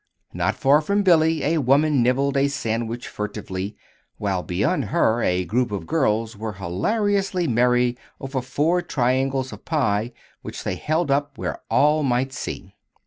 Not far from Billy a woman nibbled a sandwich furtively, while beyond her a group of girls were hilariously merry over four triangles of pie which they held up where all might see.